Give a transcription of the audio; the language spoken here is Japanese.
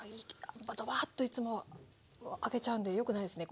ドバッといつも空けちゃうんでよくないですね